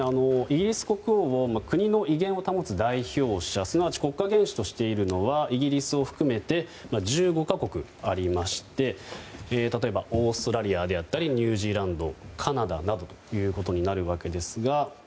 イギリス国王国の威厳を保つ代表者すなわち国家元首としているのはイギリスを含めて１５か国ありまして例えばオーストラリアであったりニュージーランドカナダなどとなるわけですが。